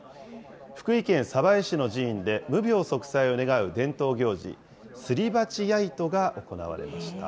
福井県鯖江市の寺院で無病息災を願う伝統行事、すりばちやいとが行われました。